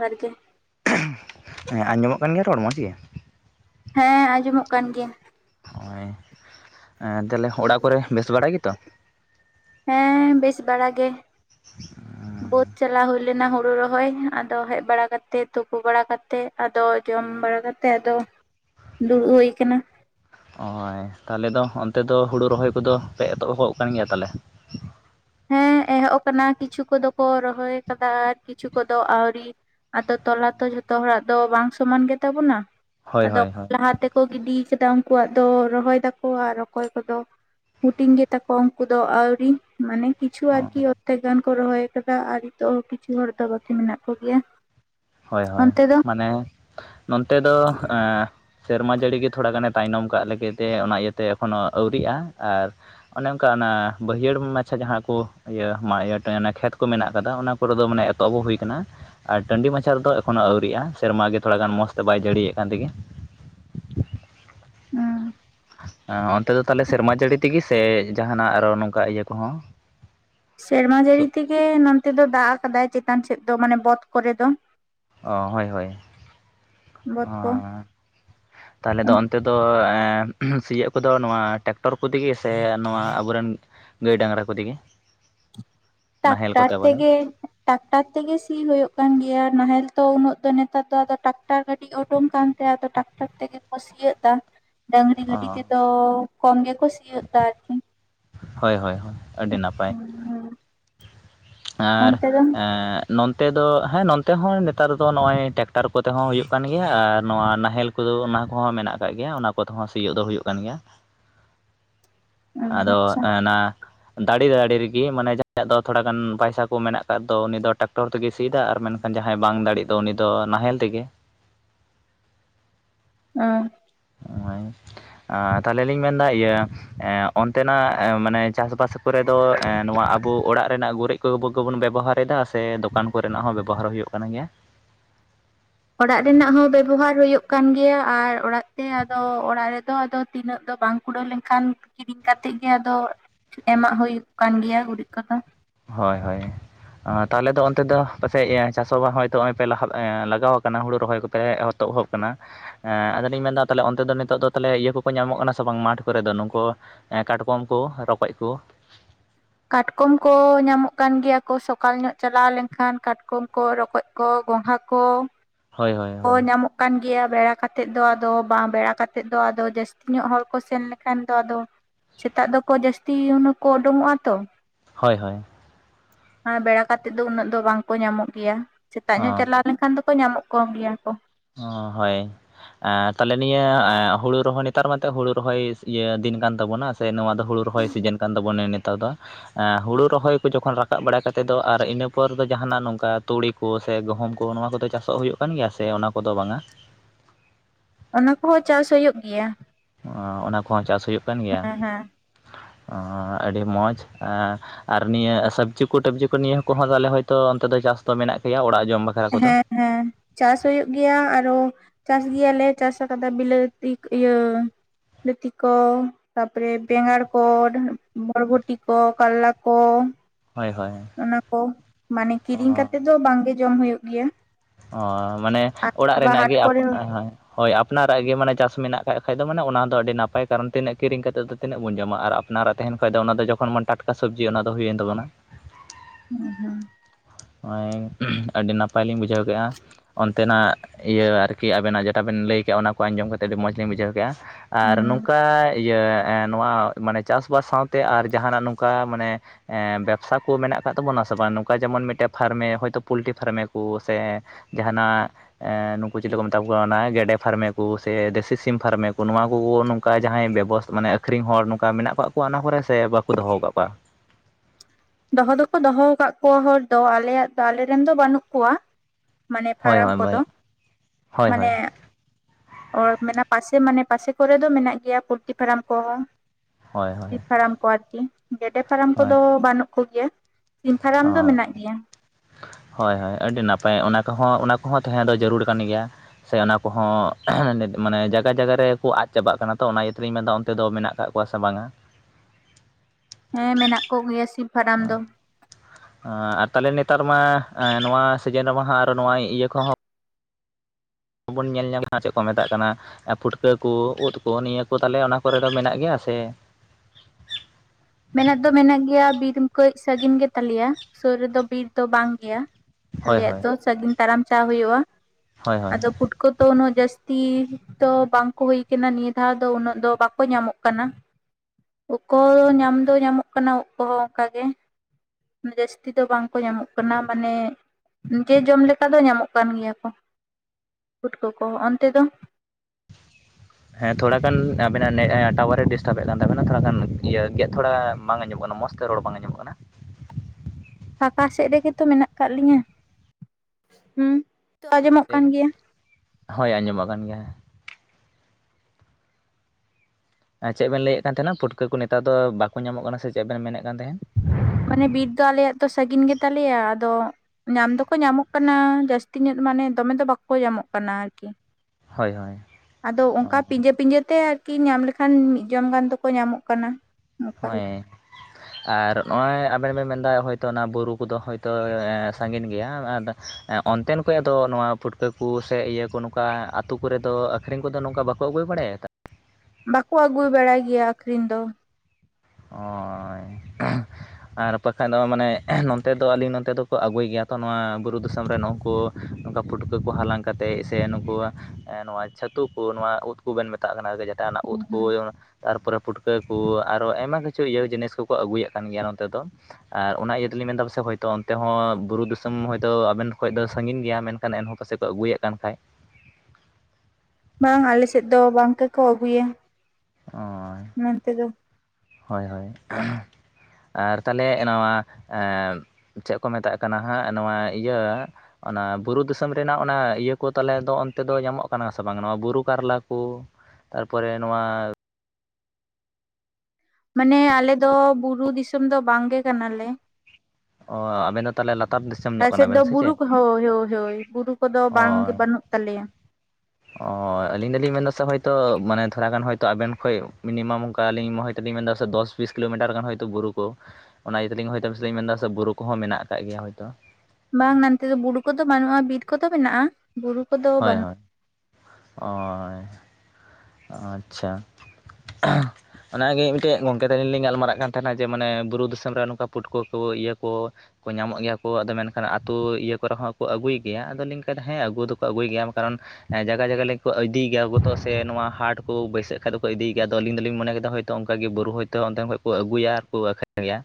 ᱡᱚᱦᱟᱨ ᱜᱮ ᱦᱮᱸ ᱟᱸᱡᱚᱢᱚᱜ ᱠᱟᱱ ᱜᱮᱭᱟ ᱨᱚᱲ ᱢᱚᱡᱽ ᱜᱮ? ᱦᱮᱸ ᱟᱸᱡᱚᱢᱚᱜ ᱠᱟᱱ ᱜᱤᱭᱟ᱾ ᱦᱚᱭ ᱛᱟᱦᱮᱞᱮ ᱚᱲᱟᱜ ᱠᱚᱨᱮ ᱵᱮᱥ ᱵᱟᱲᱟ ᱜᱮ ᱛᱚ? ᱦᱮᱸ ᱵᱮᱥ ᱵᱟᱲᱟ ᱜᱮ ᱵᱟᱹᱫ ᱪᱟᱞᱟᱣ ᱦᱩᱭ ᱼᱼ ᱦᱮᱡ ᱞᱮᱱᱟ ᱦᱩᱲᱩ ᱨᱚᱦᱚᱭ ᱟᱫᱚ ᱦᱮᱡ ᱵᱟᱲᱟ ᱠᱟᱛᱮ ᱛᱩᱯᱩ ᱵᱟᱲᱟ ᱠᱟᱛᱮ ᱟᱫᱚ ᱡᱚᱢ ᱵᱟᱲᱟ ᱠᱟᱛᱮ ᱟᱫᱚᱼᱼ ᱫᱩᱲᱩᱵᱟ ᱦᱩᱭ ᱟᱠᱟᱱᱟ᱾ ᱦᱚᱸ ᱛᱟᱦᱚᱞᱮ ᱫᱚ ᱚᱱᱛᱮ ᱫᱚ ᱦᱩᱲᱩ ᱨᱚᱦᱚᱭ ᱠᱚᱫᱚ ᱯᱮ ᱮᱛᱚᱦᱚᱵᱚᱦ ᱠᱟᱱ ᱜᱮᱭᱟ ᱛᱟᱦᱚᱞᱮ? ᱦᱮᱸ ᱮᱦᱚᱵ ᱟᱠᱟᱱᱟ ᱠᱤᱪᱷᱩ ᱠᱚᱫᱚ ᱠᱚ ᱨᱚᱦᱚᱭ ᱟᱠᱟᱫᱟ ᱟᱨ ᱠᱤᱪᱷᱩ ᱠᱚᱫᱚ ᱟᱣᱨᱤ᱾ ᱟᱫᱚ ᱛᱚᱞᱟ ᱛᱚ ᱡᱷᱚᱛᱚ ᱦᱚᱲᱟᱜ ᱫᱚ ᱵᱟᱝ ᱥᱚᱢᱟᱱ ᱜᱮᱛᱟᱵᱚᱱᱟ ᱦᱳᱭ ᱟᱫᱚ ᱦᱳᱭ ᱦᱳᱭ ᱞᱟᱦᱟ ᱛᱮᱼᱼ ᱠᱚ ᱜᱤᱰᱤ ᱠᱟᱫᱟ ᱩᱱᱠᱩᱣᱟᱜ ᱫᱚ ᱨᱚᱦᱚᱭ ᱫᱟᱠᱚ ᱟᱨ ᱚᱠᱚᱭ ᱠᱚᱫᱚᱼᱼ ᱦᱩᱴᱤᱧ ᱜᱮᱛᱟ ᱠᱚᱣᱟ ᱩᱱᱠᱩ ᱫᱚ ᱟᱹᱣᱨᱤ, ᱢᱟᱱᱮ ᱠᱤᱪᱷᱩ ᱟᱨᱠᱤ ᱚᱨᱷᱮᱠᱟᱱ᱾ ᱠᱚ ᱨᱚᱦᱚᱭ ᱟᱠᱟᱫᱟ ᱟᱨ ᱱᱤᱛᱚᱜ ᱦᱚᱸ ᱠᱤᱪᱷᱩ ᱦᱚᱲ ᱫᱚ ᱵᱟᱠᱤ ᱢᱮᱱᱟᱜ ᱠᱚᱜᱮᱭᱟ᱾ ᱦᱚᱭ ᱦᱚᱭ ᱚᱱᱛᱮ ᱫᱚ ᱢᱟᱱᱮ ᱱᱚᱱᱛᱮ ᱫᱚ ᱼᱼ ᱥᱮᱨᱢᱟ ᱡᱟᱹᱲᱤ ᱜᱮ ᱛᱷᱚᱲᱟ ᱜᱟᱱᱮ ᱛᱟᱭᱱᱚᱢ ᱠᱟᱜ ᱞᱟᱹᱜᱤᱫ ᱛᱮ ᱚᱱᱟ ᱤᱭᱟᱹᱛᱮ ᱮᱠᱷᱚᱱᱳ ᱟᱹᱣᱨᱤᱜ-ᱟ ᱟᱨᱼᱼ ᱚᱱᱮ ᱚᱱᱠᱟ ᱚᱱᱟ ᱵᱟᱹᱭᱦᱟᱹᱲ ᱢᱟᱪᱷᱟ ᱡᱟᱦᱟᱸ ᱠᱚ ᱤᱭᱟᱹ ᱤᱭᱟᱹ ᱠᱷᱮᱛ ᱠᱚ ᱢᱮᱱᱟᱜ ᱠᱟᱫᱟ ᱚᱱᱟᱼᱼ ᱠᱚᱨᱮ ᱫᱚ ᱢᱟᱱ ᱮᱚᱦᱚᱵ ᱦᱩᱭ ᱟᱠᱟᱱᱟ ᱟᱨ ᱴᱟᱺᱰᱤ ᱢᱟᱪᱼᱼ ᱴᱪᱟᱨ ᱨᱮ ᱫᱚ ᱮᱠᱷᱚᱱ ᱟᱹᱣᱜ ᱥᱮᱨᱢᱟ ᱜᱮ ᱛᱷᱚᱲᱟᱜᱟᱱ ᱢᱚᱸᱡᱽ ᱛᱮ ᱵᱟᱭ ᱡᱟᱹᱲᱤᱭᱮᱫ ᱠᱟᱱ ᱛᱮᱜᱮ᱾ ᱚᱸ ᱚᱱᱛᱮ ᱫᱚ ᱛᱟᱦᱚᱞᱮ ᱥᱮᱨᱢᱟ ᱡᱟᱹᱲᱤ ᱛᱮᱜᱮ ᱥᱮ ᱡᱟᱦᱟᱱᱟᱜ ᱟᱨᱚ ᱱᱚᱝᱠᱟ ᱤᱭᱟᱹ ᱠᱚᱦᱚᱸ᱾ ᱥᱮᱨᱢᱟ ᱡᱟᱹᱲᱤ ᱛᱮᱜᱮ ᱱᱚᱱᱚᱛᱮ ᱫᱚ ᱫᱟᱜᱽ ᱟᱠᱟᱫᱟᱭ ᱪᱮᱛᱟᱱ ᱥᱮᱫ ᱫᱚ ᱢᱟᱱᱮ ᱵᱚᱛ ᱠᱚᱨᱮ ᱫᱚ᱾ ᱚᱸ ᱦᱚᱭ ᱦᱚᱭ ᱵᱚᱛ ᱠᱚ ᱚᱸ, [inaudible] ᱛᱟᱦᱚᱞᱮ ᱫᱚ ᱚᱱᱛᱮ ᱫᱚ ᱥᱤᱭᱟᱹᱜ ᱠᱚᱫᱚ ᱱᱚᱣᱟ ᱴᱮᱠᱴᱚᱨ ᱠᱚ ᱛᱮᱜᱮ ᱥᱮ ᱱᱚᱣᱟ ᱟᱵᱚᱨᱮᱱ, ᱜᱟᱹᱭ ᱰᱟᱝᱜᱨᱟ ᱠᱚ ᱛᱮᱜᱮ᱾ ᱱᱟᱦᱮᱞ ᱴᱟᱠᱴᱟᱨ ᱠᱚᱛᱮ ᱵᱚᱞᱮ ᱛᱮᱜᱮ᱾ ᱴᱟᱠᱴᱟᱨ ᱛᱮᱜᱮ ᱥᱤ ᱦᱩᱭᱩᱜ ᱠᱟᱱ ᱜᱮᱭᱟ ᱱᱟᱦᱮᱞ ᱛᱚ ᱩᱱᱟᱹᱜ ᱫᱚ ᱱᱮᱛᱟᱨ ᱫᱚ ᱟᱫᱚ ᱴᱟᱠᱴᱟᱨ, ᱜᱟᱹᱰᱤ ᱩᱰᱩᱝ ᱠᱟᱱᱛᱮ ᱟᱫᱚ ᱴᱟᱠᱴᱟᱨ ᱛᱮᱜᱮ ᱠᱚ ᱥᱤᱭᱟᱹᱜ ᱫᱟ᱾ ᱰᱟᱹᱝᱜᱨᱤ ᱜᱟᱹᱰᱤ ᱚ ᱛᱮᱫᱚ ᱠᱚᱢ ᱜᱮᱠᱚ ᱥᱤᱭᱟᱹᱜ ᱫᱟ, ᱦᱚᱭ ᱦᱚᱭ ᱦᱚᱭ ᱟᱹᱰᱤ ᱱᱟᱯᱟᱭ᱾ ᱦᱚᱭ, ᱟᱨ ᱚᱸ, ᱱᱚᱱᱚᱛ ᱫᱚ ᱦᱮᱸ ᱱᱚᱱᱛᱮ ᱦᱚᱸ ᱱᱮᱛᱟᱨ ᱫᱚ ᱱᱚᱜ-ᱚᱭ ᱴᱮᱠᱴᱟᱨ ᱠᱚᱛᱮ ᱦᱚᱸ ᱦᱩᱭᱩᱜ ᱠᱟᱱ ᱜᱮᱭᱟ ᱟᱨ ᱱᱚᱣᱟ ᱱᱟᱦᱮᱞ, ᱩᱱᱠᱩ ᱫᱚ ᱚᱱᱟ ᱠᱚᱦᱚᱸ ᱢᱮᱱᱟᱜ ᱟᱠᱟᱜ ᱜᱮᱭᱟ ᱚᱱᱟ ᱠᱚᱛᱮᱦᱚᱸ ᱥᱤᱭᱟᱹᱜ ᱫᱚ ᱦᱩᱭᱩᱜ ᱠᱟᱱ ᱜᱮᱭᱟ᱾ [inaudible] ᱟᱫᱚ ᱟᱪᱪᱷᱟ ᱚᱱᱟ ᱫᱟᱲᱮ ᱫᱟᱲᱮ ᱨᱮᱜᱮ ᱢᱟᱱᱮ ᱡᱟᱦᱟᱸᱭᱟᱜ ᱫᱚ ᱛᱷᱚᱲᱟ ᱜᱟᱱ, ᱯᱟᱭᱥᱟ ᱠᱚ ᱢᱮᱱᱟᱜ ᱟᱠᱟᱫ ᱫᱚ ᱩᱱᱤ ᱫᱚ ᱴᱟᱠᱴᱚᱨ ᱛᱮᱜᱮ ᱥᱤ ᱫᱟ ᱟᱨ ᱢᱮᱱᱠᱷᱟᱱ ᱡᱟᱦᱟᱸᱭ ᱵᱟᱝ ᱫᱟᱲᱮᱜ ᱫᱚ ᱩᱱᱤ ᱫᱚ ᱱᱟᱦᱮᱞ ᱛᱮᱜᱮ᱾ ᱚᱸ ᱚᱸ ᱛᱟᱦᱚᱞᱮᱞᱤᱧ ᱢᱮᱱᱫᱟ ᱤᱭᱟᱹ ᱚᱱᱛᱮᱱᱟᱜ ᱢᱟᱱᱮ, ᱪᱟᱥᱵᱟᱥ ᱠᱚᱨᱮ ᱫᱚ ᱮᱸ ᱱᱚᱣᱟ ᱟᱵᱚ ᱚᱲᱟᱜ, ᱨᱮᱱᱟᱜ ᱜᱩᱨᱤᱡ ᱠᱚ ᱜᱮᱵᱚᱱ ᱵᱮᱵᱚᱦᱟᱨ ᱮᱫᱟ ᱥᱮ ᱫᱚᱠᱟᱱ ᱠᱚᱨᱮᱱᱟᱜ ᱦᱚᱸ ᱵᱮᱵᱚᱦᱟᱨ ᱦᱩᱭᱩᱜ ᱠᱟᱱ ᱜᱮᱭᱟ? ᱚᱲᱟᱜ ᱨᱮᱱᱟᱜ ᱦᱚᱸ ᱵᱮᱵᱚᱦᱟᱨ ᱦᱩᱭᱩᱜ ᱠᱟᱱ ᱜᱮᱭᱟ ᱟᱨ ᱚᱲᱟᱜ ᱛᱮ ᱟᱫᱚ ᱚᱲᱟᱜ ᱨᱮᱫᱚ ᱟᱫᱚ ᱛᱤᱱᱟᱹᱜ ᱫᱚ ᱵᱟᱝ, ᱠᱩᱞᱟᱹᱣ ᱞᱮᱱᱠᱷᱟᱱ ᱠᱤᱨᱤᱧ ᱠᱟᱛᱮᱜ ᱜᱮ ᱟᱫᱚ ᱮᱢᱟᱜ ᱦᱩᱭᱩᱜ ᱠᱟᱱ ᱜᱮᱭᱟ ᱜᱩᱨᱤᱡ ᱠᱚᱫᱚ᱾ ᱦᱳᱭ ᱦᱳᱭ᱾ ᱛᱟᱦᱚᱞᱮ ᱫᱚ ᱚᱱᱛᱮ ᱫᱚ ᱯᱟᱥᱮᱡ ᱪᱟᱥᱵᱟ ᱦᱳᱭᱛᱳ ᱱᱚᱜ ᱚᱼᱚᱭ ᱯᱮ ᱞᱟᱦᱟ ᱚᱸ ᱞᱟᱜᱟᱣ ᱟᱠᱟᱱᱟ ᱦᱩᱲᱩ ᱨᱚᱦᱚᱭ ᱠᱚᱯᱮ? ᱮᱛᱚᱦᱚᱵ ᱠᱟᱱᱟ᱾ ᱮ ᱟᱫᱚᱞᱤᱧ ᱢᱮᱱᱫᱟ ᱛᱟᱦᱮ ᱚᱱᱛᱮ ᱫᱚ ᱱᱤᱛᱚᱜ ᱫᱚ ᱛᱟᱦᱮ ᱤᱭᱟᱹ ᱠᱚᱠᱚ ᱧᱟᱢᱚᱜ ᱠᱟᱱᱟ ᱥᱮ ᱵᱟᱝ ᱢᱟᱴᱷ ᱠᱚᱨᱮ ᱫᱚ ᱱᱩᱠᱩ? ᱮ ᱠᱟᱴᱠᱚᱢ ᱠᱚ ᱨᱚᱠᱚᱭᱡ ᱠᱚ? ᱠᱟᱴᱠᱚᱢ ᱠᱚ ᱧᱟᱢᱚᱜ ᱠᱟᱱ ᱜᱮᱭᱟ ᱠᱚ ᱥᱚᱠᱟᱞ ᱧᱚᱜ ᱪᱟᱞᱟᱣ ᱞᱮᱱᱠᱷᱟᱱ ᱠᱟᱴᱠᱚᱢ ᱠᱚ ᱨᱚᱠᱚᱭᱡ, ᱠᱚ ᱜᱚᱸᱜᱷᱟ ᱠᱚ ᱦᱳᱭ ᱦᱳᱭ ᱠᱚ ᱦᱳᱭ ᱧᱟᱢᱚᱜ, ᱠᱟᱱ ᱜᱮᱭᱟ ᱵᱮᱲᱟᱠᱟᱛᱮᱫ ᱫᱚ ᱟᱫᱚ ᱵᱟᱝ ᱵᱮᱲᱟᱠᱟᱛᱮᱫ ᱫᱚ ᱟᱫᱚ ᱡᱟᱹᱥᱛᱤ ᱧᱚᱜ ᱦᱚᱲ ᱠᱚ ᱥᱮᱱ ᱞᱮᱠᱷᱟᱱ ᱫᱚ ᱟᱫᱚ᱾ ᱥᱮᱛᱟᱜ ᱫᱚᱠᱚ ᱡᱟᱹᱥᱛᱤ ᱦᱩᱱᱟᱹᱜ ᱠᱚ ᱩᱰᱩᱝᱚᱜᱼᱟ ᱛᱚ, ᱦᱳᱭ ᱦᱳᱭ᱾ ᱮ ᱵᱮᱲᱟ ᱠᱟᱛᱮ ᱫᱚ ᱩᱱᱟᱹᱜ ᱫᱚ ᱵᱟᱝᱠᱚ ᱧᱟᱢᱚᱜ ᱜᱮᱭᱟ ᱥᱮᱛᱟᱜ ᱧᱚᱜ ᱦᱚᱸ ᱪᱟᱞᱟᱣ ᱞᱮᱱᱠᱷᱟᱱ ᱫᱚᱠᱚ ᱧᱟᱢᱚᱜ, ᱠᱚᱢ ᱜᱮ ᱠᱚ᱾ ᱚ ᱦᱚᱭ, ᱮᱸ ᱛᱟᱦᱚᱞᱮ ᱱᱤᱭᱟᱹ ᱦᱩᱲᱩ ᱨᱚᱦᱚᱭ ᱱᱮᱛᱟᱨ ᱢᱟᱛᱮᱫ ᱦᱩᱲᱩ ᱨᱚᱦᱚᱭ ᱤᱭᱟᱹ ᱫᱤᱱ ᱠᱟᱱ ᱛᱟᱵᱚᱱᱟ ᱥᱮ ᱱᱚᱣᱟ ᱫᱚ, ᱦᱩᱲᱩ ᱨᱚᱦᱚᱭ ᱥᱤᱡᱮᱱ ᱠᱟᱱ ᱛᱟᱵᱚᱱᱟ ᱱᱮᱛᱟᱨ ᱫᱚ᱾ ᱮᱸ ᱦᱩᱲᱩ ᱨᱚᱦᱚᱭ ᱠᱚ ᱡᱚᱠᱷᱚᱱ ᱨᱟᱠᱟᱵ ᱵᱟᱲᱟ ᱠᱟ ᱠᱟᱛᱮ ᱫᱚ ᱟᱨ ᱤᱱᱟᱹᱯᱚᱨ ᱫᱚ ᱡᱟᱦᱟᱱᱟᱜ ᱱᱚᱝᱠᱟ? ᱛᱩᱲᱤ ᱠᱚ ᱥᱮ ᱜᱩᱦᱩᱢ ᱠᱚ ᱱᱚᱣᱟ ᱠᱚᱫᱚ ᱪᱟᱥᱚᱜ ᱦᱩᱭᱩᱜ ᱠᱟᱱ ᱜᱮᱭᱟ ᱥᱮ ᱚᱱᱟ ᱠᱚᱫᱚ ᱵᱟᱝᱟ? ᱚᱱᱟ ᱠᱚᱦᱚᱸ ᱪᱟᱥ ᱦᱩᱭᱩᱜ ᱜᱮᱭᱟ᱾ ᱚᱸ ᱚᱱᱟ ᱠᱚᱦᱚᱸ ᱪᱟᱥ ᱦᱩᱭᱩᱜ ᱠᱟᱱ ᱜᱮᱭᱟ ᱦᱮᱸ ᱦᱮᱸ ᱚᱸ ᱟᱹᱰᱤ ᱢᱚᱸᱡᱽ᱾ ᱚᱸ, ᱟᱨ ᱱᱤᱭᱟᱹ ᱥᱚᱵᱽᱡᱤ ᱠᱚ ᱴᱟᱹᱵᱡᱤ ᱠᱚ ᱱᱤᱭᱟᱹ ᱠᱚᱦᱚᱸ ᱛᱞᱮ ᱦᱚᱭᱛᱳ ᱚᱱᱛᱮ ᱫᱚ ᱪᱟᱥ ᱫᱚ ᱢᱮᱱᱟᱜ ᱜᱮᱭᱟ ᱚᱲᱟᱜ ᱡᱚᱢ ᱵᱟᱠᱷᱨᱟ? ᱠᱚᱫᱚ ᱦᱮᱸ ᱦᱮᱸ ᱪᱟᱥ ᱦᱩᱭᱩᱜ ᱜᱮᱭᱟ ᱟᱨᱚ, ᱪᱟᱥ ᱜᱮᱭᱟᱞᱮ ᱪᱟᱥ ᱟᱠᱟᱫᱟ ᱵᱤᱞᱟᱹᱛᱤ ᱤᱭᱟᱹ ᱵᱤᱞᱟᱹᱛᱤ ᱠᱚ᱾ ᱛᱟᱯᱚᱨᱮ ᱵᱮᱸᱜᱟᱲ ᱠᱚ ᱵᱚᱨᱵᱚᱴᱤ ᱠᱚ ᱠᱟᱨᱞᱟ ᱠᱚ᱾ ᱦᱳᱭ ᱦᱳᱭ, ᱚᱱᱟ ᱠᱚ ᱢᱟᱱᱮ ᱚ ᱠᱤᱨᱤᱧ ᱠᱟᱛᱮᱜ ᱫᱚ ᱵᱟᱝᱜᱮ ᱡᱚᱢ ᱦᱩᱭᱩᱜ ᱜᱮᱭᱟ᱾ ᱚ ᱢᱟᱱᱮ ᱚᱲᱟᱜ ᱟᱨ ᱨᱮᱱᱟᱜ ᱦᱟᱴ ᱜᱮ ᱟ ᱠᱚᱨᱮ ᱦᱳᱭ ᱦᱳᱭ ᱟᱯᱱᱟᱨᱟᱜ ᱜᱮ ᱢᱟᱱᱮ ᱪᱟᱥ ᱢᱮᱱᱟᱜ ᱠᱟᱡ ᱠᱷᱟᱡ ᱫᱚ ᱢᱟᱱᱮ ᱚᱱᱟ ᱫᱚ ᱟᱹᱰᱤ ᱱᱟᱯᱟᱭ ᱠᱟᱨᱚᱱ ᱛᱤᱱᱟᱹᱜ ᱠᱤᱨᱤᱧ ᱠᱟᱛᱮᱫ ᱫᱚ ᱛᱤᱱᱟᱹᱜ ᱵᱚᱱ ᱡᱚᱢᱟ ᱟᱨ ᱟᱯᱱᱟᱨᱟᱜ ᱛᱟᱦᱮᱱ ᱠᱷᱟᱡ ᱫᱚ ᱚᱱᱟ ᱫᱚ ᱡᱚᱠᱷᱚᱱ ᱵᱚᱱ ᱴᱟᱴᱠᱟ ᱥᱚᱵᱽᱡᱤ ᱚᱱᱟ ᱫᱚ ᱦᱩᱭᱮᱱ ᱛᱟᱵᱚᱱᱟ ᱦᱩᱸ ᱦᱩᱸ ᱱᱚᱜᱼᱚᱭ ᱟᱹᱰᱤ ᱱᱟᱯᱟᱭ ᱞᱤᱧ ᱵᱩᱡᱷᱟᱹᱣ ᱠᱮᱫᱼᱟ ᱚᱱᱛᱮᱱᱟᱜ ᱤᱭᱟᱹ ᱟᱨᱠᱤ ᱟᱵᱮᱱᱟᱜ ᱡᱮᱴᱟ ᱵᱤᱱ ᱞᱟᱹᱭ ᱠᱮᱫᱼᱟ ᱚᱱᱟᱠᱚ ᱟᱸᱡᱚᱢ ᱠᱟᱛᱮᱫ ᱟᱹᱰᱤ ᱢᱚᱡᱽᱞᱤᱧ ᱵᱩᱡᱷᱟᱹᱣ ᱠᱮᱫᱼᱟ ᱟᱨ ᱱᱚᱝᱠᱟ ᱤᱭᱟᱹ ᱮᱸ ᱱᱚᱣᱟ ᱢᱟᱱᱮ ᱪᱟᱥᱵᱟᱥ ᱥᱟᱶᱛᱮ ᱟᱨ ᱡᱟᱦᱟᱱᱟᱜ ᱱᱚᱝᱠᱟ ᱢᱟᱱᱮ ᱮᱸ ᱵᱮᱵᱥᱟ ᱠᱚ ᱢᱮᱱᱟᱜ ᱟᱠᱟᱫ ᱛᱟᱵᱚᱱᱟ ᱥᱮ ᱵᱟᱝ ᱱᱚᱝᱠᱟ? ᱚᱱᱠᱟ ᱡᱮᱢᱚᱱ ᱢᱤᱫᱴᱮᱡ ᱯᱷᱟᱨᱢᱮ ᱦᱚᱭᱛᱳ ᱯᱳᱚᱞᱴᱤ ᱯᱷᱟᱨᱢᱮ ᱠᱚ ᱥᱮ ᱡᱟᱦᱟᱱᱟᱜ ᱮᱸ ᱱᱩᱠᱩ ᱪᱮᱞᱮ ᱠᱚ ᱢᱮᱛᱟ ᱠᱚ ᱠᱟᱱᱟ ᱜᱮᱰᱮ ᱯᱷᱟᱨᱢᱮ ᱠᱚ ᱥᱮ ᱫᱮᱥᱤ ᱥᱤᱢ ᱯᱷᱟᱨᱢᱮ ᱠᱚ ᱱᱚᱣᱟ ᱠᱚ ᱱᱚᱝᱠᱟ ᱡᱟᱦᱟᱸᱭ ᱵᱮᱵᱚᱥᱛᱟ ᱢᱟᱱᱮ ᱟᱹᱠᱷᱨᱤᱧ ᱦᱚᱲ ᱱᱚᱝᱠᱟ ᱢᱮᱱᱟᱜ ᱟᱠᱟᱫ ᱠᱚᱣᱟ ᱚᱱᱟ ᱠᱚᱨᱮ ᱥᱮ ᱵᱟᱠᱚ ᱫᱚᱦᱚ ᱟᱠᱟᱫ ᱠᱚᱣᱟ? ᱫᱚᱦᱚ ᱫᱚᱠᱚ ᱫᱚᱦᱚ ᱟᱠᱟᱫ ᱠᱚᱣᱟ ᱦᱚᱲ ᱫᱚ ᱟᱞᱮᱭᱟᱜ ᱫᱚ ᱟᱞᱮᱨᱮᱱ ᱫᱚ ᱵᱟᱹᱱᱩᱜ ᱠᱚᱣᱟ ᱢᱟᱱᱮ ᱦᱳᱭ ᱯᱷᱟᱨᱟᱢ ᱦᱳᱭ ᱠᱚᱫᱚ ᱦᱳᱭ ᱦᱳᱭ ᱢᱟᱱᱮ ᱦᱳᱭ ᱢᱮᱱᱟ ᱯᱟᱥᱮ ᱢᱟᱱᱮ ᱯᱟᱥᱮ ᱠᱚᱨᱮ ᱫᱚ ᱢᱮᱱᱟᱜ ᱜᱮᱭᱟ ᱯᱳᱞᱴᱤ ᱯᱷᱟᱨᱟᱢ ᱠᱚᱦᱚᱸ ᱦᱳᱭ ᱥᱤ ᱦᱳᱭ ᱯᱷᱟᱨᱟᱢ ᱠᱚ ᱟᱨᱠᱤ ᱜᱮᱰᱮ ᱯᱷᱟᱨᱟᱢ ᱠᱚᱫᱚ ᱦᱳᱭ ᱵᱟᱹᱱᱩᱜ ᱜᱮ ᱥᱤᱢ ᱯᱷᱟᱨᱟᱢ ᱫᱚ ᱚ ᱢᱮᱱᱟᱜ ᱜᱮᱭᱟ। ᱦᱳᱭ ᱦᱳᱭ ᱟᱹᱰᱤ ᱱᱟᱯᱟᱭ ᱚᱱᱟ ᱠᱚᱦᱚᱸ ᱚᱱᱟ ᱠᱚᱦᱚᱸ ᱛᱟᱦᱮᱸ ᱫᱚ ᱡᱟᱹᱨᱩᱲ ᱠᱟᱱ ᱜᱮᱭᱟ ᱥᱮ ᱚᱱᱟ ᱠᱚᱦᱚᱸ ᱢᱟᱱᱮ ᱡᱟᱭᱜᱟ ᱡᱟᱭᱜᱟ ᱨᱮᱠᱚ ᱟᱫ ᱪᱟᱵᱟᱜ ᱠᱟᱱᱟ ᱛᱚ ᱚᱱᱟ ᱤᱭᱟᱹ ᱛᱮᱞᱤᱧ ᱢᱮᱱᱫᱟ ᱚᱱᱛᱮ ᱫᱚ ᱢᱮᱱᱟᱜ ᱦᱮᱱᱟᱜ ᱠᱚᱣᱟ ᱥᱮ ᱵᱟᱝᱟ? ᱦᱮᱸ ᱢᱮᱱᱟᱜ ᱠᱚ ᱜᱮᱭᱟ ᱥᱤᱢ ᱯᱷᱟᱨᱟᱢ ᱫᱚ। ᱟ ᱛᱟᱞᱦᱮ ᱱᱮᱛᱟᱨ ᱢᱟ ᱮᱸ ᱱᱚᱣᱟ ᱥᱤᱡᱤᱱ ᱨᱮᱢᱟ ᱦᱟᱸᱜ ᱟᱨᱚ ᱱᱚᱣᱟ ᱤᱭᱟᱹ ᱠᱚᱦᱚᱸᱼᱼ ᱵᱚᱱ ᱧᱮᱞ ᱧᱟᱢ [inaudible] ᱪᱮᱫ ᱠᱚ ᱢᱮᱛᱟᱜ ᱠᱟᱱᱟ? ᱮᱸ ᱯᱩᱴᱠᱟᱹ ᱠᱚ ᱩᱫ ᱠᱚ ᱱᱤᱭᱟᱹ ᱠᱚ ᱛᱟᱦᱞᱮ ᱚᱱᱟ ᱠᱚᱨᱮ ᱫᱚ ᱢᱮᱱᱟᱜ ᱜᱮᱭᱟ ᱥᱮᱼᱼ ᱢᱮᱱᱟᱜ ᱫᱚ ᱢᱮᱱᱟᱜ ᱜᱮᱭᱟ ᱵᱤᱨ ᱠᱟᱹᱡ ᱥᱟᱸᱹᱜᱤᱱ ᱜᱮ ᱛᱟᱞᱮᱭᱟ ᱥᱳᱨ ᱨᱮᱫᱚ ᱵᱤᱨ ᱫᱚ ᱵᱟᱝ ᱜᱮᱭᱟ ᱾ ᱦᱳᱭ ᱟᱞᱮᱭᱟᱜ ᱦᱳᱭ ᱫᱚ ᱥᱟᱹᱜᱤᱧ ᱛᱟᱲᱟᱢ ᱪᱟ ᱦᱩᱭᱩᱜᱼᱟ ᱦᱳᱭ ᱾ ᱦᱳᱭ ᱟᱫᱚ ᱯᱷᱩᱴᱠᱟᱹ ᱛᱚ ᱩᱱᱟᱹᱜ ᱡᱟᱹᱥᱛᱤᱼᱼ ᱛᱚ ᱵᱟᱝᱠᱚ ᱦᱩᱭ ᱠᱟᱱᱟ ᱱᱤᱭᱟᱹ ᱫᱷᱟᱣ ᱫᱚ ᱩᱱᱟᱹᱜ ᱫᱚ ᱵᱟᱠᱚ ᱧᱟᱢᱚᱜ ᱠᱟᱱᱟ ᱾ ᱩᱫ ᱠᱚ ᱧᱟᱢ ᱫᱚ ᱧᱟᱢᱚᱜ ᱠᱟᱱᱟ ᱩᱫ ᱠᱚᱦᱚᱸ ᱚᱝᱠᱟᱜᱮ ᱾ ᱡᱟᱹᱥᱛᱤ ᱫᱚ ᱵᱟᱝᱠᱚ ᱧᱟᱢᱚᱜ ᱠᱟᱱᱟ ᱾ ᱢᱟᱱᱮᱼᱼ ᱱᱤᱡᱮ ᱡᱚᱢ ᱞᱮᱠᱟ ᱫᱚ ᱧᱟᱢᱚᱜ ᱠᱟᱱ ᱜᱮᱭᱟ ᱠᱚ ᱯᱩᱴᱠᱟᱹ ᱠᱚ ᱾ ᱚᱱᱛᱮ ᱫᱚ ᱦᱮᱸ ᱛᱷᱚᱲᱟ ᱜᱟᱱ ᱟᱵᱮᱱᱟᱜ ᱱᱮ ᱴᱟᱣᱟᱨᱮ ᱰᱤᱥᱴᱟᱵ ᱮᱫ ᱠᱟᱱ ᱛᱟᱵᱮᱱᱟ ᱛᱷᱚᱲᱟ ᱜᱟᱱ ᱤᱭᱟᱹ ᱜᱮᱫ ᱛᱷᱚᱲᱟ ᱵᱟᱝ ᱟᱸᱡᱚᱢᱚᱜ ᱠᱟᱱᱟ ᱢᱚᱡ ᱛᱮ ᱨᱚᱲ ᱵᱟᱝ ᱟᱸᱚᱢᱚᱜ ᱠᱟᱱᱟ। ᱯᱷᱟᱠᱟ ᱥᱮᱫ ᱨᱮᱜᱮ ᱛᱚ ᱢᱮᱱᱟᱜ ᱟᱠᱟᱫ ᱞᱤᱧᱟᱹ ᱾ ᱦᱩᱸ ᱛᱚ ᱟᱸᱡᱚᱢᱚᱜ ᱠᱟᱱ ᱞᱟᱹᱭᱵᱮᱱ ᱜᱮᱭᱟ ᱾ ᱦᱳᱭ ᱟᱸᱡᱚᱢᱚᱜ ᱠᱟᱱ ᱜᱮᱭᱟ ᱦᱮᱸ ᱾ ᱟᱨ ᱪᱮᱫ ᱵᱮᱱ ᱞᱟᱹᱭᱮᱫ ᱠᱟᱱ ᱛᱟᱦᱮᱸᱱᱟ ᱯᱩᱴᱠᱟᱹ ᱠᱚ ᱱᱮᱛᱟᱨ ᱫᱚ ᱵᱟᱠᱚ ᱧᱟᱢᱚᱜ ᱠᱟᱱᱟ ᱥᱮ ᱪᱮᱫ ᱵᱮᱱ ᱢᱮᱱᱮᱫ ᱠᱟᱱ ᱛᱟᱦᱮᱸᱱ? ᱢᱟᱱᱮ ᱵᱤᱨ ᱫᱚ ᱟᱞᱮᱭᱟᱜ ᱛᱚ ᱥᱟᱸᱹᱜᱤᱱ ᱜᱮ ᱛᱟᱞᱮᱭᱟ ᱟᱫᱚᱼᱼ ᱧᱟᱢ ᱫᱚᱠᱚ ᱧᱟᱢᱚᱜ ᱠᱟᱱᱟ ᱡᱟᱹᱥᱛᱤ ᱧᱚᱜ ᱢᱟᱱᱮ ᱫᱚᱢᱮ ᱫᱚ ᱵᱟᱠᱚ ᱧᱟᱢᱚᱜ ᱠᱟᱱᱟ ᱟᱨᱠᱤ ᱾ ᱦᱳᱭ ᱦᱳᱭ ᱟᱫᱚ ᱚ ᱚᱝᱠᱟ ᱯᱤᱸᱡᱟᱹ ᱯᱤᱸᱡᱟᱹ ᱛᱮᱼᱼ ᱠᱤ ᱧᱟᱢ ᱞᱮᱠᱷᱟᱱ ᱢᱤᱫ ᱡᱚᱢ ᱜᱟᱱ ᱫᱚᱠᱚ ᱧᱟᱢᱚᱜ ᱠᱟᱱᱟ ᱾ ᱦᱳᱭ [inaudible] ᱟᱨ ᱱᱚᱜᱼᱚᱭ ᱟᱵᱮᱱ ᱵᱮᱱ ᱢᱮᱱᱫᱟ ᱦᱚᱭᱛᱚ ᱱᱚᱣᱟ ᱵᱩᱨᱩ ᱠᱚᱫᱚ ᱦᱳᱭᱛᱚ ᱥᱟᱸᱹᱜᱤᱧ ᱜᱮᱭᱟ ᱟᱨᱼᱼ ᱮᱸᱜ ᱚᱱᱛᱮᱱ ᱠᱚ ᱫᱚ ᱱᱚᱣᱟ ᱯᱩᱴᱠᱟᱹ ᱠᱚ ᱥᱮ ᱤᱭᱟᱹ ᱠᱚ ᱱᱚᱝᱠᱟ ᱟᱛᱳ ᱠᱚᱨᱮ ᱫᱚᱼᱼ ᱟᱠᱷᱨᱤᱧ ᱠᱚᱫᱚ ᱱᱚᱝᱠᱟ ᱵᱟᱠᱚ ᱟᱹᱜᱩᱭ ᱵᱟᱲᱟᱭ ᱮᱫᱟ? ᱵᱟᱠᱚ ᱟᱹᱜᱩ ᱵᱟᱲᱟᱭ ᱜᱮᱭᱟ ᱟᱠᱷᱨᱤᱧ ᱫᱚ ᱾ ᱚᱭᱻ ᱟᱨ ᱵᱟᱠᱷᱟᱱ ᱫᱚ ᱢᱟᱱᱮ ᱱᱚᱱᱛᱮ ᱫᱚ ᱟᱹᱞᱤᱧ ᱱᱚᱱᱛᱮ ᱫᱚᱠᱚ ᱟᱹᱜᱩᱭ ᱜᱮᱭᱟ ᱛᱚ ᱱᱚᱣᱟ ᱵᱩᱨᱩ ᱫᱤᱥᱚᱢ ᱨᱮ ᱩᱱᱠᱩᱼᱼ ᱱᱚᱝᱠᱟ ᱯᱩᱴᱠᱟᱹ ᱠᱚ ᱦᱟᱞᱟᱝ ᱠᱟᱛᱮᱫ ᱥᱮ ᱱᱩᱠᱩᱼᱼ ᱮᱸ ᱱᱚᱣᱟ ᱪᱷᱟᱹᱛᱩ ᱠᱚ ᱱᱚᱣᱟ ᱩᱫ ᱠᱚᱵᱮᱱ ᱢᱮᱛᱟᱜ ᱠᱟᱱᱟ ᱾ ᱡᱟᱦᱟᱸ ᱴᱱᱟᱜ ᱩᱫ ᱠᱳ ᱛᱟᱨ ᱯᱚᱨᱮ ᱯᱩᱴᱠᱟᱹ ᱠᱳ ᱟᱨ ᱟᱨᱚ ᱟᱭᱢᱟ ᱠᱤᱪᱷᱩ ᱤᱭᱟᱹ ᱡᱤᱱᱤᱥ ᱠᱚᱠᱚ ᱟᱹᱜᱩᱭ ᱮᱫ ᱠᱟᱱ ᱜᱮᱭᱟ ᱱᱚᱛᱮ ᱫᱚ᱾ ᱟᱨ ᱚᱱᱟ ᱤᱭᱟᱹ ᱛᱮᱞᱤᱧ ᱢᱮᱱᱫᱟ ᱯᱟᱥᱮᱫ ᱦᱳᱭᱛᱳ ᱚᱱᱛᱮ ᱦᱚᱸ ᱵᱩᱨᱩ ᱫᱤᱥᱚᱢ ᱦᱚᱭᱛᱳ ᱟᱵᱮᱱ ᱠᱷᱚᱱ ᱫᱚ ᱥᱟᱺᱜᱤᱧ ᱜᱮᱭᱟ᱾ ᱢᱮᱱᱠᱷᱟᱱ ᱮᱱᱦᱚᱸ ᱯᱟᱥᱮᱡ ᱠᱚ ᱟᱹᱜᱩᱭ ᱮᱫ ᱠᱟᱱ ᱠᱷᱟᱡ᱾ ᱵᱟᱝ ᱟᱞᱮ ᱥᱮᱫ ᱫᱚ ᱵᱟᱝ ᱜᱮᱠᱚ ᱟᱹᱜᱩᱭᱟ᱾ ᱚ ᱱᱚᱱᱛᱮ ᱫᱚ ᱦᱳᱭ ᱦᱳᱭ ᱟᱨ ᱛᱟᱦᱚᱞᱮ ᱱᱚᱣᱟ ᱪᱮᱫ ᱠᱚ ᱢᱮᱛᱟᱜ ᱠᱟᱱᱟ ᱦᱟᱸᱜ ᱱᱚᱣᱟ ᱤᱭᱟᱹᱼᱼ ᱚᱱᱟ ᱵᱩᱨᱩ ᱫᱤᱥᱚᱢ ᱨᱮᱱᱟᱜ ᱚᱱᱟ ᱤᱭᱟᱹ ᱠᱚ ᱛᱟᱦᱚᱞᱮ ᱫᱚ ᱚᱱᱛᱮ ᱫᱚ ᱧᱟᱢᱚᱜ ᱠᱟᱱᱟ ᱥᱮ ᱵᱟᱝ ᱱᱚᱣᱟ ᱵᱩᱨᱩ ᱠᱟᱨᱞᱟ ᱠᱩ? ᱛᱟᱨ ᱯᱚᱨᱮ ᱱᱚᱣᱟ ᱢᱟᱱᱮ ᱟᱞᱮ ᱫᱚ ᱵᱩᱨᱩ, ᱫᱤᱥᱚᱢ ᱫᱚ ᱵᱟᱝ ᱜᱮ ᱠᱟᱱᱟᱞᱮ᱾ ᱚ ᱟᱵᱮᱱ ᱫᱚ ᱛᱟᱦᱚᱞᱮ ᱞᱟᱛᱟᱨ ᱫᱤᱥᱚᱢ ᱟᱞᱮ ᱧᱚᱜ ᱥᱮᱫ ᱫᱚ ᱠᱟᱱᱟᱵᱮᱱ ᱥᱮ ᱵᱩᱨᱩ ᱪᱮᱫ ᱠᱚ ᱦᱳᱭ ᱦᱳᱭ ᱦᱳᱭ ᱵᱩᱨᱩ ᱠᱚᱫᱚ ᱵᱟᱝ ᱜᱮ ᱵᱟᱹᱱᱩᱜ ᱛᱟᱞᱮᱭᱟ᱾ ᱚ ᱟᱹᱞᱤᱧ ᱫᱚᱞᱤᱧ ᱢᱮᱱᱫᱟ ᱥᱮ ᱦᱳᱭᱛᱳ ᱢᱟᱱᱮ ᱛᱷᱚᱲᱟ ᱜᱟᱱ ᱦᱚᱭᱛᱳ ᱟᱵᱮᱱ ᱠᱷᱚᱱ ᱢᱤᱱᱤᱢᱟᱢ ᱚᱝᱠᱟ ᱟᱞᱤᱧᱼᱼ ᱞᱤᱧ ᱢᱮᱱᱫᱟ ᱫᱚᱥ ᱵᱤᱥ ᱠᱤᱞᱳᱢᱤᱴᱟᱨ ᱜᱟᱱ ᱦᱚᱭᱛᱳ ᱵᱩᱨᱩ ᱠᱚ᱾ᱚᱱᱟ ᱤᱭᱟᱹᱛᱮ ᱢᱮᱱᱫᱟᱼᱼ ᱥᱮ ᱵᱩᱨᱩ ᱠᱚᱦᱚᱸ ᱢᱮᱱᱟᱜ ᱟᱠᱟᱫ ᱜᱮᱭᱟ ᱦᱳᱭᱛᱚ᱾ ᱵᱟᱝ ᱱᱟᱱᱛᱮ ᱫᱚ ᱵᱩᱨᱩ ᱠᱚᱫᱚ ᱵᱟᱹᱱᱩᱜ-ᱟ ᱵᱤᱨ ᱠᱚᱫᱚ ᱢᱮᱱᱟᱜ-ᱟ ᱵᱩᱨᱩ ᱠᱚᱫᱚ ᱵᱟᱹᱱᱩᱜ-ᱟ᱾ ᱚ ᱟᱪᱪᱷᱟ ᱚᱱᱟᱜᱮ ᱢᱤᱫᱴᱮᱡ ᱜᱚᱢᱠᱮ ᱛᱟᱞᱤᱧ ᱞᱤᱧ ᱜᱟᱞᱢᱟᱨᱟᱜ ᱠᱟᱱ ᱛᱟᱦᱮᱱᱟ᱾ᱡᱮ ᱢᱟᱱᱮ ᱵᱩᱨᱩ ᱫᱤᱥᱚᱢ ᱨᱮ ᱱᱚᱝᱠᱟ ᱯᱩᱴᱣᱟᱹ ᱠᱚ ᱤᱭᱟᱹ ᱠᱚᱼᱼ ᱠᱚ ᱧᱟᱢᱚᱜ ᱜᱮᱭᱟ ᱠᱚ ᱟᱫᱚ ᱢᱮᱱᱠᱷᱟᱱ ᱟᱹᱛᱩ ᱤᱭᱟᱹ ᱠᱚᱨᱮ ᱦᱚᱸ ᱠᱚ ᱟᱹᱜᱩᱭ ᱜᱮᱭᱟ ᱟᱫᱚ ᱞᱤᱝ ᱚᱝᱠᱟᱭ ᱫᱟ ᱦᱮᱸ ᱟᱹᱜᱩ ᱫᱚᱠᱚ ᱟᱹᱜᱩᱭ ᱜᱮᱭᱟ ᱠᱟᱨᱚᱱᱼᱼ ᱡᱟᱭᱜᱟ ᱡᱟᱭᱜᱟ ᱞᱮᱭ ᱠᱚ ᱤᱫᱤ ᱜᱮᱭᱟ ᱜᱚᱫᱚ ᱥᱮ ᱱᱚᱣᱟᱼᱼ ᱦᱟᱴ ᱠᱚ ᱵᱟᱹᱭᱥᱟᱹᱜ ᱠᱷᱟᱱᱹ ᱫᱚᱠᱚ ᱤᱫᱤᱭ ᱜᱮᱭᱟ ᱟᱫᱚ ᱟᱧ ᱫᱚ ᱞᱤᱧ ᱢᱚᱱᱮ ᱠᱮᱫᱟ ᱦᱚᱭ ᱛᱚ ᱚᱱᱠᱟᱹ ᱜᱮ ᱵᱩᱨᱩ ᱦᱭᱛᱳ ᱚᱱᱛᱮ ᱠᱷᱚᱱᱸ ᱠᱚ ᱟᱹᱜᱩᱭᱟ ᱟᱨᱠᱚ ᱜᱮᱭᱟ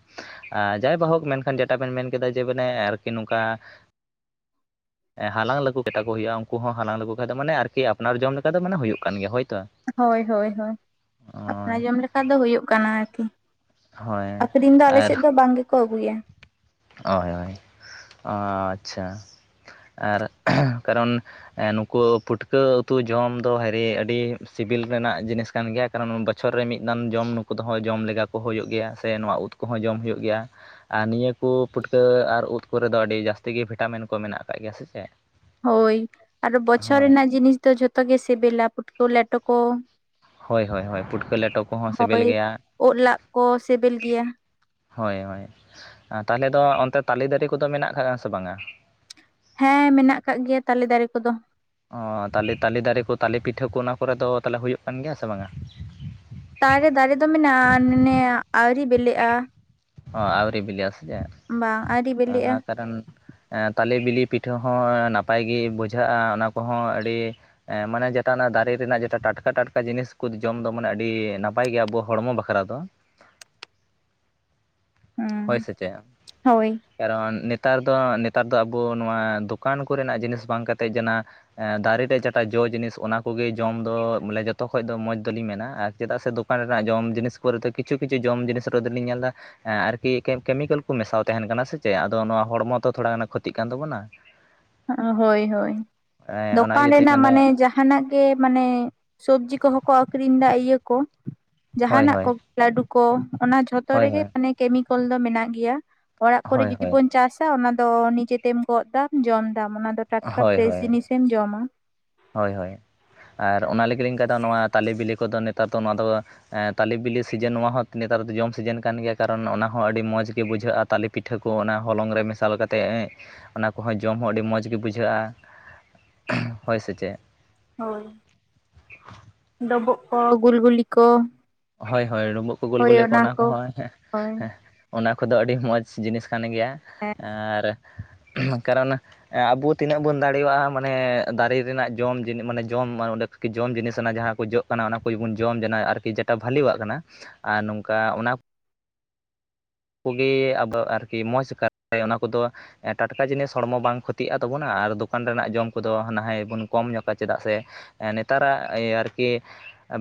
ᱡᱟᱭ ᱵᱟ ᱦᱳᱠ ᱢᱮᱱᱠᱷᱟᱱ ᱡᱮᱴᱟ ᱵᱮᱱ ᱢᱮᱱ ᱠᱮᱫᱟ ᱡᱮ ᱵᱚᱞᱮ ᱟᱨᱠᱤ ᱱᱚᱝᱠᱟ [inaudible] ᱦᱟᱞᱟᱝ ᱞᱟᱜᱩ ᱠᱟᱛᱮᱛᱟ ᱠᱚ ᱦᱩᱭᱩᱜ-ᱟ ᱩᱱᱠᱩ ᱦᱚᱸ ᱦᱟᱞᱟᱝ ᱞᱟᱜᱩ ᱠᱷᱟᱡ ᱫᱚ ᱢᱟᱱᱮ ᱟᱨᱠᱤ ᱟᱯᱱᱟᱨ ᱡᱚᱢ ᱞᱮᱠᱟ ᱫᱚ ᱢᱟᱱᱮ ᱦᱩᱭᱩᱜ ᱠᱟᱱ ᱜᱮᱭᱟ ᱦᱳᱭᱛᱳ ᱦᱳᱭ ᱦᱳᱭ ᱦᱳᱭ ᱟᱯᱱᱟᱨ ᱡᱚᱢ ᱞᱮᱠᱟ ᱫᱚ ᱦᱩᱭᱩᱜ ᱠᱟᱱᱟ ᱟᱨᱠᱤ ᱦᱳᱭ ᱟᱹᱠᱷᱨᱤᱧ ᱫᱚ ᱟᱞᱮ ᱟᱨ ᱥᱮᱫ ᱫᱚ ᱵᱟᱝ ᱜᱮᱠᱚ ᱟᱹᱜᱩᱭᱟ ᱦᱳᱭ ᱦᱳᱭᱸ ᱟᱪᱷᱟ ᱟᱨ ᱠᱟᱨᱚᱱ ᱱᱩᱠᱩ ᱯᱩᱴᱠᱟᱹ ᱩᱛᱩ ᱡᱚᱢ ᱫᱚ ᱦᱮᱸᱨᱮ ᱟᱹᱰᱤ ᱥᱤᱵᱤᱞ ᱨᱮᱱᱟᱜ ᱡᱤᱱᱤᱥ ᱠᱟᱱ ᱜᱮᱭᱟ ᱠᱟᱨᱚᱱᱹ ᱵᱚᱪᱷᱚᱨ ᱨᱮ ᱢᱤᱫ ᱫᱟᱱ ᱡᱚᱢ ᱱᱩᱠᱩ ᱫᱚ ᱡᱚᱢ ᱞᱮᱠᱟᱹ ᱠᱚ ᱦᱩᱭᱩᱜ ᱜᱮᱭᱟ ᱥᱮ ᱱᱚᱹᱣᱟ ᱩᱫ ᱠᱚᱦᱚᱸ ᱡᱚᱢ ᱦᱩᱭᱩᱜ ᱜᱮᱭᱟ ᱟᱨ ᱱᱤᱭᱟᱹ ᱠᱚ ᱯᱩᱴᱠᱟᱹ ᱟᱨ ᱩᱫ ᱠᱚᱨᱮᱹ ᱫᱚ ᱟᱹᱰᱤ ᱡᱟᱹᱥᱛᱤ ᱜᱮ ᱵᱷᱤᱴᱟᱢᱤᱱ ᱠᱚ ᱢᱮᱱᱟᱜ ᱠᱟᱫ ᱜᱮᱭᱟ ᱥᱮ ᱪᱮᱫ? ᱦᱳᱭᱸ ᱟᱨᱚ ᱵᱚᱪᱷᱚᱨ ᱦᱳᱭ ᱨᱮᱱᱟᱜ ᱡᱤᱱᱤᱥ ᱫᱚ ᱡᱷᱚᱛᱚ ᱜᱮ ᱥᱤᱵᱤᱞᱟ ᱯᱩᱴᱠᱟᱹ ᱞᱮᱴᱚ ᱠᱚᱸ ᱦᱳᱭ ᱦᱳᱭ ᱦᱳᱭ ᱯᱩᱴᱠᱟᱹ ᱞᱮᱴᱚ ᱠᱚᱦᱚᱸ ᱥᱤᱵᱤᱞ ᱦᱳᱭᱸ ᱜᱮᱭᱟ ᱩᱫ ᱞᱟᱜ ᱠᱚ ᱥᱤᱵᱤᱞ ᱜᱮᱭᱟ᱾ ᱦᱳᱭᱸ ᱦᱳᱭ ᱛᱟᱦᱚᱞᱮ ᱫᱚ ᱚᱱᱛᱮ ᱛᱟᱞᱮ ᱫᱟᱨᱮ ᱠᱚᱫᱚ ᱢᱮᱱᱟᱜ ᱟᱠᱟᱜᱼᱟ ᱥᱮ ᱵᱟᱝ-ᱟ ᱦᱮᱸ ᱢᱮᱱᱟᱜ ᱟᱠᱟᱜ ᱜᱮᱭᱟ ᱛᱟᱞᱮ ᱫᱟᱨᱮ ᱠᱚᱫᱚ ᱚᱻ ᱛᱟᱞᱮ ᱛᱟᱞᱮ ᱫᱟᱨᱮᱹ ᱠᱚ ᱛᱟᱞᱮ ᱯᱤᱴᱷᱟᱹ ᱠᱚ ᱚᱱᱟ ᱠᱚᱨᱮ ᱫᱚ ᱛᱟᱦᱚᱞᱮ ᱦᱩᱭᱩᱜᱹ ᱠᱟᱱ ᱜᱮᱭᱟ ᱥᱮ ᱵᱟᱝ ᱟ ᱛᱟᱨᱮ ᱫᱟᱨᱮ ᱫᱚ ᱢᱮᱱᱟᱜ-ᱟ ᱟᱱᱮ ᱟᱹᱣᱨᱤ ᱵᱤᱞᱤᱜ-ᱟ᱾ ᱦᱚᱸ ᱟᱹᱣᱨᱤ ᱵᱤᱞᱤ ᱟᱥ ᱦᱚ ᱵᱟᱝ ᱟᱹᱣᱨᱤ ᱵᱮᱞᱮᱜᱼᱟ ᱠᱟᱨᱚᱱ ᱦᱮ ᱛᱟᱞᱮ ᱵᱤᱞᱤ ᱯᱤᱴᱷᱟᱹ ᱦᱚᱸ ᱱᱟᱯᱟᱭ ᱜᱮ ᱵᱩᱡᱷᱟᱹᱜ-ᱟ ᱚᱱᱟ ᱠᱚᱦᱚᱸ ᱟᱹᱰᱤ ᱢᱟᱹᱱᱮ ᱡᱮᱴᱟ ᱚᱱᱟ ᱫᱟᱨᱮᱹ ᱨᱮᱱᱟᱜ ᱡᱮᱴᱟ ᱴᱟᱴᱠᱟ ᱴᱟᱴᱠᱟᱹ ᱡᱤᱱᱤᱥ ᱠᱚ ᱡᱚᱢ ᱫᱚ ᱢᱟᱱᱮ ᱟᱹᱰᱤ ᱱᱟᱯᱟᱭ ᱜᱮᱭᱟ ᱟᱵᱚ ᱦᱚᱲᱢᱚ ᱵᱟᱠᱷᱨᱟᱹ ᱫᱚ ᱦᱚᱭ ᱦᱩᱸ ᱥᱮ ᱪᱮᱫ? ᱦᱳᱭ ᱠᱟᱨᱚᱱ ᱱᱮᱛᱟᱨ ᱫᱚ ᱱᱮᱛᱟᱨ ᱫᱚ ᱟᱵᱚ ᱱᱚᱣᱟ ᱫᱚᱠᱟᱱ ᱠᱚ ᱨᱮᱱᱟᱜ ᱡᱤᱱᱤᱥ ᱵᱟᱝ ᱠᱟᱛᱮᱫ ᱡᱚᱱᱟ ᱦᱮ ᱫᱟᱨᱮ ᱛᱮ ᱡᱟᱮᱴᱟ ᱡᱚ ᱡᱤᱱᱤᱥ ᱚᱱᱟ ᱠᱚᱹᱜᱮ ᱡᱚᱢ ᱫᱚ ᱵᱟᱱᱮ ᱡᱚᱛᱚ ᱠᱷᱚᱡ ᱫᱚ ᱢᱚᱡᱽ ᱫᱚᱞᱤᱧᱸ ᱢᱮᱱᱟ ᱪᱮᱫᱟᱜ ᱥᱮ ᱫᱚᱠᱟᱱ ᱨᱮᱱᱟᱜ ᱡᱚᱢ ᱤᱱᱤᱥ ᱠᱚᱨᱮᱫ ᱠᱪᱷᱩ ᱠᱤᱪᱷᱩ ᱡᱚᱢ ᱡᱤᱱᱤᱥ ᱠᱚ ᱫᱚᱞᱤᱧᱸ ᱧᱮᱞ ᱮᱫᱟ ᱟᱨᱹᱠᱤ ᱠᱮᱢᱤᱠᱮᱞ ᱠᱚ ᱢᱮᱥᱟᱣ ᱛᱟᱦᱮᱱ ᱠᱟᱱᱟ ᱥᱮ ᱪᱮᱫ ᱟᱫᱚ ᱱᱚᱣᱟ ᱦᱚᱲᱢᱚ ᱛᱚ ᱛᱷᱚᱲᱟ ᱜᱟᱱ ᱠᱷᱚᱛᱤ ᱠᱟᱱ ᱛᱟᱵᱚᱱᱟ ᱦᱳᱭᱸ ᱦᱳᱭ ᱮᱸ ᱚᱱᱟ ᱫᱚᱠᱟᱱ ᱤᱭᱟᱹᱛᱤᱧ ᱨᱮᱱᱟᱜ ᱢᱟᱱᱮ ᱢᱮᱱᱫᱟ ᱡᱟᱦᱟ ᱡᱟᱦᱟᱱᱟᱜ ᱜᱮ ᱢᱟᱱᱮ ᱥᱚᱵᱡᱤ ᱠᱚᱦᱚᱸ ᱠᱚ ᱟᱹᱠᱷᱨᱤᱧ ᱮᱫᱟ ᱤᱭᱟ ᱠᱚ ᱦᱳᱭ ᱡᱟᱦᱟᱱᱟᱜ ᱦᱳᱭ ᱠᱚ ᱞᱟᱰᱩ ᱠᱚ ᱚᱱᱟ ᱡᱷᱚᱛᱚ ᱦᱳᱭ ᱨᱮᱜᱮ ᱦᱳᱭ ᱢᱟᱱᱮ ᱠᱮᱢᱤᱠᱮᱞ ᱫᱚ ᱢᱮᱱᱟᱜ ᱜᱮᱭᱟ ᱚᱲᱟᱜ ᱠᱚᱨᱮ ᱦᱳᱭ ᱡᱩᱫᱤ ᱦᱳᱭ ᱵᱚᱱ ᱪᱟᱥ ᱟ ᱚᱱᱟ ᱫᱚ ᱱᱤᱡᱮᱛᱮᱢ ᱜᱚᱫ ᱫᱟᱢ ᱡᱚᱢ ᱫᱟᱢ ᱚᱱᱟ ᱫᱚ ᱴᱟᱴᱠᱟ ᱦᱳᱭ ᱯᱷᱮᱥ ᱦᱳᱭ ᱡᱤᱱᱤᱥ᱾ ᱛᱮᱢ ᱡᱚᱢ ᱟ ᱦᱳᱭ ᱦᱳᱭ ᱟᱨ ᱚᱱᱟ ᱞᱟᱹᱜᱤᱫᱞᱤᱧ ᱠᱟᱫᱟ ᱱᱚᱹᱣᱟ ᱛᱟᱞᱮ ᱵᱤᱞᱤ ᱠᱚᱫᱚ ᱱᱮᱛᱟᱨ ᱫᱚ ᱱᱚᱣᱟ ᱫᱚ ᱮᱸ ᱛᱟᱞᱮ ᱵᱤᱞᱤ ᱥᱤᱡᱮᱱ ᱱᱚᱹᱣᱟ ᱦᱚᱸ ᱛᱤᱱᱟᱹᱱᱮᱛᱟᱨ ᱫᱚ ᱡᱚᱢ ᱥᱤᱡᱮᱱ ᱠᱟᱱ ᱜᱮᱼᱭᱟ ᱠᱟᱨᱚᱱᱹ ᱚᱱᱟ ᱦᱚᱸ ᱚᱸ ᱟᱹᱰᱤ ᱢᱚᱡ ᱜᱮ ᱵᱩᱡᱷᱟᱹᱜᱼᱟ᱾ ᱛᱟᱞᱮ ᱯᱤᱴᱷᱟᱹ ᱠᱚ ᱚᱱᱟ ᱦᱚᱞᱚᱝ ᱨᱮ ᱢᱮᱥᱟᱞ ᱠᱟᱹᱛᱮᱜ ᱚᱱᱟ ᱠᱚᱦᱚᱸ ᱡᱚᱢ ᱦᱚᱸ ᱟᱹᱰᱤ ᱢᱚᱡ ᱜᱮ ᱵᱩᱡᱷᱟᱹᱜᱼᱟ᱾ [inaudible] ᱦᱳᱭᱸ ᱥᱮ ᱪᱮᱫ? ᱦᱳᱭᱸ ᱰᱚᱵᱳᱜ ᱠᱚ ᱜᱩᱞ ᱜᱩᱞᱤ ᱠᱚᱸ, ᱦᱳᱭᱸ ᱦᱳᱭ ᱰᱩᱵᱳᱜ ᱠᱚ ᱜᱩᱞ ᱜᱩᱞᱤ ᱠᱚ ᱚᱱᱟ ᱠᱚᱦᱚᱸ ᱦᱮᱸ ᱦᱳᱭ ᱦᱮᱸ ᱚᱱᱟ ᱠᱚᱫᱚ ᱟᱹᱰᱤ ᱢᱚᱡ ᱡᱤᱱᱤᱥ ᱠᱟᱱ ᱜᱮᱭᱟ, ᱟᱨ ᱠᱟᱨᱚᱱ ᱟᱸᱵᱚ ᱛᱤᱱᱟᱹᱜ ᱵᱚᱱ ᱫᱟᱲᱮᱭᱟᱜᱼᱟ ᱢᱟᱱᱮ ᱫᱟᱨᱮ ᱨᱮᱱᱟᱼᱜ ᱡᱚᱢ ᱢᱟᱱᱮ ᱡᱚᱢ ᱚᱸᱰᱮ ᱠᱤ ᱡᱚᱢ ᱡᱤᱱᱤᱥ ᱚᱱᱟ ᱡᱟᱦᱟᱸ ᱠᱚ ᱡᱚᱜ ᱠᱟᱱᱟ ᱚᱱᱟ ᱠᱚᱵᱚᱱ ᱡᱚᱢ ᱡᱟᱱᱟ ᱟᱨᱹᱠᱤ ᱴᱟ ᱵᱷᱟᱞᱮᱣᱟᱜ ᱠᱟᱱᱟ᱾ ᱟᱨ ᱱᱚᱝᱠᱟ ᱚᱱᱟ ᱠᱚᱜᱤ ᱟᱫᱚ ᱟᱨᱹᱠᱤ ᱢᱚᱡ ᱠᱟᱨ ᱚᱱᱟ ᱠᱚᱫᱚ ᱮᱸ ᱴᱟᱴᱠᱟ ᱡᱤᱱᱤᱥ ᱦᱚᱲᱢᱚ ᱵᱟᱝ ᱠᱷᱚᱛᱤᱜ ᱛᱟᱵᱚᱱᱟ, ᱟᱨ ᱫᱚᱠᱟᱱ ᱨᱮᱱᱟᱼᱜ ᱡᱚᱢ ᱠᱚᱫᱚ ᱦᱭ ᱵᱚᱱ ᱠᱚᱢ ᱧᱚᱜᱟ ᱪᱮᱫᱟᱜ ᱥᱮ ᱱᱮᱛᱟᱨᱟᱜ ᱟᱨᱠᱤ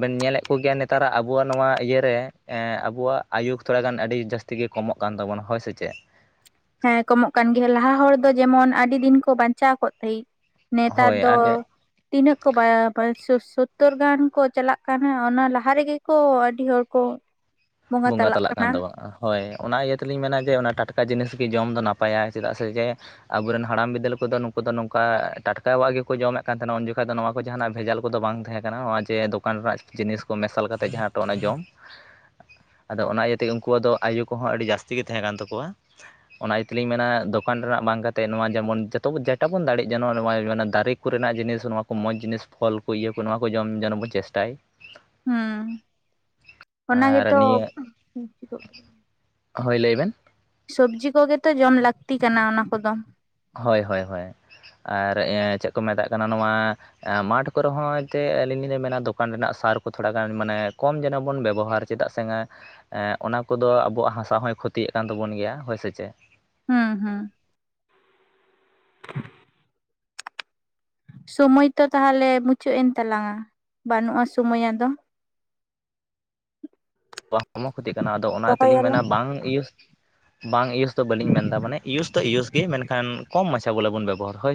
ᱵᱮᱱ ᱧᱮᱞᱮᱫ ᱠᱚᱜᱮᱭᱼᱟ ᱱᱮᱛᱟᱨᱟᱹᱜ ᱟᱵᱚᱣᱟᱜ ᱱᱚᱹᱣᱟ ᱤᱭᱟ ᱨᱮ ᱮᱸᱜ ᱟᱵᱚᱣᱟᱼᱜ ᱟᱭᱩᱜ ᱛᱷᱚᱲᱟ ᱜᱟᱱ ᱟᱹᱰᱤ ᱡᱟᱹᱥ ᱛᱤᱜᱮ ᱠᱚᱢᱚᱜ ᱠᱟᱱ ᱛᱟᱵᱚᱱᱟ ᱦᱳᱭ ᱥᱮ ᱪᱮᱫ? ᱦᱮᱸ ᱠᱚᱢᱚᱜ ᱠᱟᱱ ᱜᱮ, ᱞᱟᱦᱟ ᱦᱚᱲ ᱫᱚ ᱡᱮᱢᱚᱱ ᱟᱹᱰᱤ ᱫᱤᱱ ᱠᱚ ᱵᱟᱧᱪᱟᱼᱣ ᱠᱚᱜ ᱛᱟᱦᱮᱜ, ᱱᱮᱛᱟᱨ ᱦᱳᱭ ᱫᱚ ᱟᱨ ᱛᱤᱱᱟᱹᱜ ᱠᱚ ᱵᱟ ᱥᱳ ᱥᱳᱛᱳᱚᱨ ᱜᱟᱱ ᱠᱚ ᱪᱟᱞᱟᱜ ᱠᱟᱱᱟ ᱚᱱᱟ ᱞᱟᱦᱟ ᱨᱮᱹᱜᱮ ᱠᱚ ᱟᱹᱰᱤ ᱦᱚᱲ ᱠᱚ ᱵᱚᱸᱜᱟ ᱛᱟᱞᱟᱜ ᱠᱟᱱᱟ᱾ ᱦᱳᱭ ᱚᱱᱟ ᱤᱭᱟᱹ ᱛᱮᱞᱤᱧ ᱢᱮᱱᱟ ᱡᱮ ᱚᱱᱟ ᱴᱟᱴᱠᱟ ᱡᱤᱱᱤᱥ ᱜᱮ ᱡᱚᱢ ᱫᱚ ᱱᱟᱯᱟᱭᱼᱟ, ᱪᱮᱫᱟᱜ ᱥᱮ ᱡᱮ ᱟᱵᱚᱨᱮᱱ ᱦᱟᱲᱟᱢ ᱵᱤᱫᱟᱹᱞ ᱠᱚᱫᱚ ᱱᱩᱠᱩ ᱫᱚ ᱱᱚᱝᱠᱟ ᱴᱟᱴᱠᱟᱣᱟᱜ ᱜᱮᱠᱚ ᱡᱚᱢᱮᱫ ᱠᱟᱱ ᱛᱟᱦᱮᱸᱱᱟ ᱩᱱ ᱡᱚᱠᱷᱟ ᱫᱚ ᱱᱚᱣᱟ ᱠᱚ ᱡᱟᱦᱟᱱᱟᱜ ᱵᱷᱮᱡᱟᱞ ᱠᱚᱫᱚ ᱵᱟᱝ ᱛᱟᱦᱮᱸ ᱠᱟᱱᱟ ᱱᱚᱣᱟ ᱡᱮ ᱫᱚᱠᱟᱱ ᱨᱮᱱᱟᱜ ᱡᱤᱱᱤᱥ ᱠᱚ ᱢᱮᱥᱟᱞ ᱠᱟᱛᱮᱫ ᱡᱟᱦᱟᱸ ᱴᱚ ᱚᱱᱮ ᱡᱚᱢ ᱟᱫᱚ ᱚᱱᱟ ᱤᱭᱟᱹ ᱛᱮᱜᱮ ᱩᱱᱠᱩᱣᱟᱜ ᱫᱚ ᱟᱭᱩ ᱠᱚᱦᱚᱸ ᱟᱹᱰᱤ ᱡᱟᱹᱥᱛᱤ ᱜᱮ ᱛᱟᱦᱮᱸ ᱠᱟᱱ ᱛᱟᱠᱚᱣᱟ, ᱚᱱᱟ ᱤᱭᱟᱹᱛᱮᱞᱤᱧ ᱢᱮᱱᱟ ᱫᱚᱠᱟᱱ ᱨᱮᱱᱟᱜ ᱵᱟᱝ ᱠᱟᱛᱮᱜ ᱱᱚᱣᱟ ᱡᱮᱢᱚᱱ ᱡᱚᱛᱚ ᱡᱮᱴᱟ ᱵᱚᱱ ᱫᱟᱲᱮᱜ ᱡᱮᱱᱚ ᱱᱚᱣᱟ ᱢᱮᱱᱟ ᱫᱟᱨᱮ ᱠᱩ ᱨᱮᱱᱟᱜ ᱡᱤᱱᱤᱥ ᱱᱚᱣᱟ ᱠᱚ ᱢᱚᱡ ᱡᱤᱱᱤᱥ ᱯᱷᱚᱞ ᱠᱚ ᱤᱭᱟᱹ ᱠᱚ ᱱᱚᱣᱟ ᱠᱚ ᱡᱚᱢ ᱡᱮᱱᱚ ᱵᱚᱱ ᱪᱮᱥᱴᱟᱭ᱾ ᱦᱩᱸ ᱟᱨ ᱚᱱᱟᱜᱮᱛᱚ ᱱᱤᱭᱟᱹ ᱵᱟᱝ ᱴᱷᱤᱠᱚᱜ ᱠᱟᱱᱟ᱾ ᱦᱳᱭ ᱞᱟᱹᱭ ᱵᱮᱱ᱾ ᱥᱚᱵᱽᱡᱤ ᱠᱚᱜᱮᱛᱚ ᱡᱚᱢ ᱞᱟᱹᱠᱛᱤ ᱠᱟᱱᱟ ᱚᱱᱟ ᱠᱚᱫᱚ᱾ ᱦᱳᱭ ᱦᱳᱭ ᱦᱳᱭ, ᱟᱨ ᱤᱭᱟᱹ ᱪᱮᱫ ᱠᱚ ᱢᱮᱛᱟᱜ ᱠᱟᱱᱟ ᱱᱚᱣᱟ ᱢᱟᱴᱷ ᱠᱚᱨᱮ ᱦᱚᱸ ᱡᱮ ᱟᱹᱞᱤᱧ ᱞᱤᱧ ᱢᱮᱱᱟ ᱫᱚᱠᱟᱱ ᱨᱮᱱᱟᱜ ᱥᱟᱨ ᱠᱚ ᱛᱷᱚᱲᱟ ᱜᱟᱱ ᱢᱟᱱᱮ ᱠᱚᱢ ᱡᱮᱱᱚ ᱵᱚᱱ ᱵᱮᱵᱚᱦᱟᱨ ᱪᱮᱫᱟᱜ ᱥᱮ ᱚᱱᱟ ᱠᱚᱫᱚ ᱟᱵᱚᱣᱟᱜ ᱦᱟᱥᱟ ᱦᱚᱸᱭ ᱠᱷᱚᱛᱤᱭᱮᱫ ᱠᱟᱱ ᱛᱟᱵᱚᱱ ᱜᱮᱭᱟ ᱦᱳᱭ ᱥᱮ ᱪᱮ? ᱦᱩᱸ ᱦᱩᱸ᱾ ᱥᱳᱢᱚᱭ ᱛᱚ ᱛᱟᱦᱚᱞᱮ ᱢᱩᱪᱟᱹᱫ ᱮᱱ ᱛᱟᱞᱟᱝᱟ ᱵᱟᱹᱱᱩᱜ-ᱟ ᱥᱩᱢᱳᱭ ᱟᱫᱚ᱾ [inaudible] ᱦᱚᱲᱢᱚ ᱠᱷᱚᱛᱤᱜ ᱠᱟᱱᱟ ᱟᱫᱚ ᱚᱱᱟ ᱛᱮᱞᱤᱧ ᱫᱚᱦᱚᱭᱟᱞᱟᱝ ᱢᱮᱱᱟ ᱵᱟᱝ ᱤᱭᱩᱥ ᱵᱟᱝ ᱤᱭᱩᱥ ᱫᱚ ᱵᱟᱹᱞᱤᱧ ᱢᱮᱱ ᱮᱫᱟ ᱢᱟᱱᱮ ᱤᱭᱩᱥ ᱫᱚ ᱤᱭᱩᱥ ᱜᱮ ᱢᱮᱱᱠᱷᱟᱱ ᱠᱚᱢ ᱢᱟᱪᱷᱟ ᱵᱚᱞᱮ ᱵᱚᱱ ᱵᱮᱵᱚᱦᱟᱨ ᱦᱳᱭ ᱥᱮ᱾